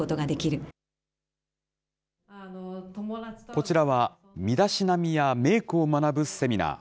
こちらは、身だしなみやメークを学ぶセミナー。